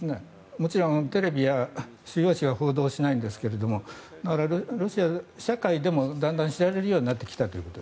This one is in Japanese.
もちろんテレビや主要紙は報道しないんですがロシア社会でもだんだん知られるようになってきたと。